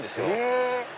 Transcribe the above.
え⁉